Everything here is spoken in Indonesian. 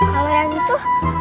kalau yang itu